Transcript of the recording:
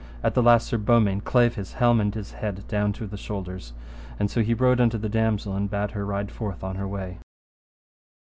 At the last Sir Beaumains clave his helm and his head down to the shoulders; and so he rode unto the damosel and bade her ride forth on her way.